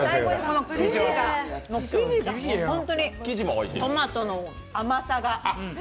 生地が本当にトマトの甘さが。